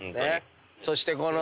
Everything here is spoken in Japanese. そしてこの。